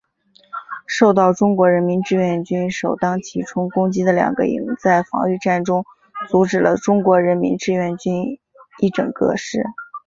受到中国人民志愿军首当其冲攻击的两个营在防御战中阻止了中国人民志愿军一整个师。